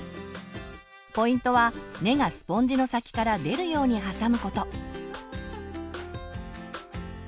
ポイントは根がスポンジの先から出るように挟むこと。